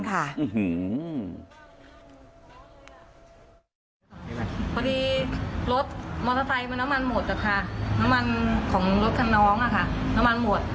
เมื่อที่๔แล้ว